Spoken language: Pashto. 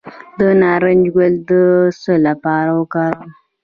د نارنج ګل د څه لپاره وکاروم؟